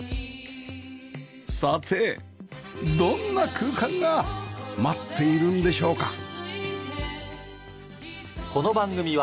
さてどんな空間が待っているんでしょうか？